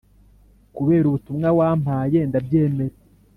kubera ubutumwa wampaye ndabyemera